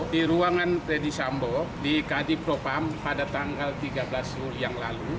di ruangan ferdisambo di kadi propam pada tanggal tiga belas juli yang lalu